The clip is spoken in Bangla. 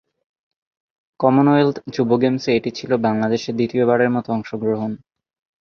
কমনওয়েলথ যুব গেমসে এটি ছিলো বাংলাদেশের দ্বিতীয়বারের মতো অংশগ্রহণ।